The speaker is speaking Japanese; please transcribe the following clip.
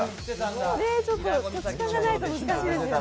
土地勘がないと難しいですよね。